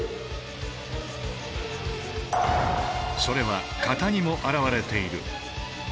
それは形にも表れている。